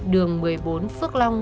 đường một mươi bốn phước long